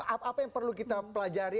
apa yang perlu kita pelajari